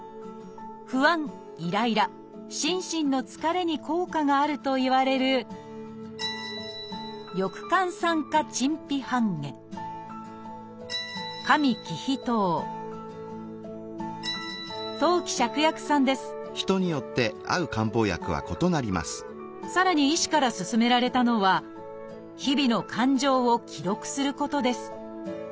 不安イライラ心身の疲れに効果があるといわれるさらに医師から勧められたのは日々の感情を記録することです。